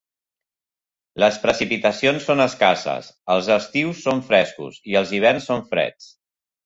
Les precipitacions són escasses, els estius són frescos i els hiverns són freds.